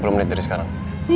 tiga puluh menit dari sekarang